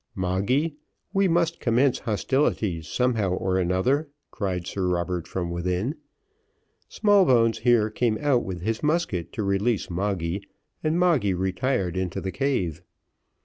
"Moggy, we must commence hostilities somehow or another," cried Sir Robert from within. Smallbones here came out with his musket to release Moggy, and Moggy retired into the cave.